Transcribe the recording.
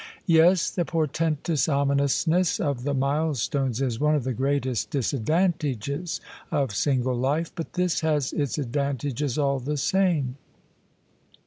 Yes: the portentous ominousness of the milestones is one of the greatest disadvantages of single life: but this has its advantages all the same."